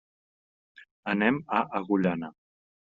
Anem a Agullana.